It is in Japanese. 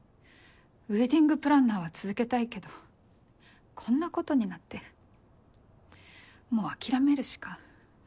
ウェディングプランナーは続けたいけどこんなことになってもう諦めるしか。